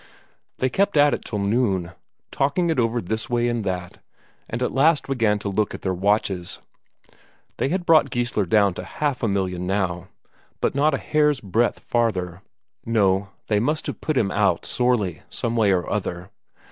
They kept at it till noon, talking it over this way and that, and at last began to look at their watches. They had brought Geissler down to half a million now, but not a hair's breadth farther. No; they must have put him out sorely some way or other.